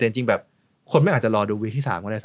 แต่จริงคนไม่อาจจะรอดูวีคที่๓สมัยนี้